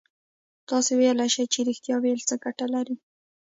تاسو ویلای شئ چې رښتيا ويل څه گټه لري؟